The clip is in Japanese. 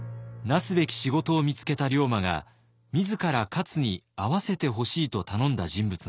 なすべき仕事を見つけた龍馬が自ら勝に会わせてほしいと頼んだ人物がいます。